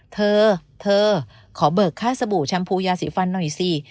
เธอเธอขอเบิกค่าสบู่แชมพูยาสีฟันหน่อยสิ